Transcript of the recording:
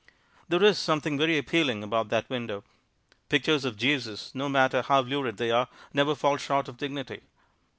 There is something very appealing about that window. Pictures of Jesus, no matter how lurid they are, never fall short of dignity.